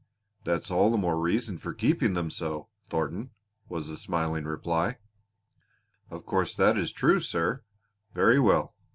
"That's all the more reason for keeping them so, Thornton," was the smiling reply. "Of course that is true, sir. Very well.